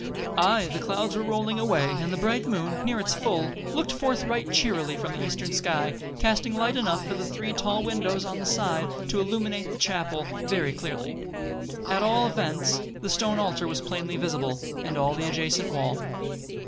Aye, the clouds were rolling away and the bright moon, near its full, looked forth right cheerily from the eastern sky, casting light enough through the three tall windows on that side to illumine the chapel very clearly. At all events, the stone altar was plainly visible, and all the adjacent wall.